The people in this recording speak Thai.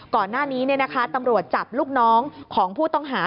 ก่อนหน้านี้ตำรวจจับลูกน้องของผู้ต้องหา